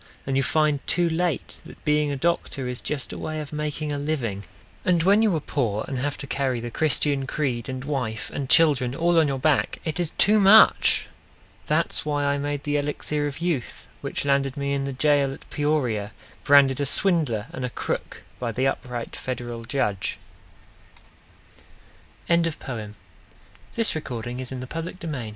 And you find too late that being a doctor Is just a way of making a living. And when you are poor and have to carry The Christian creed and wife and children All on your back, it is too much! That's why I made the Elixir of Youth, Which landed me in the jail at Peoria Branded a swindler and a crook By the upright Federal Judge! "Ace" Shaw I never saw any difference Between playin